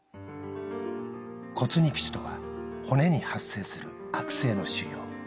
骨肉腫とは骨に発生する悪性の腫瘍。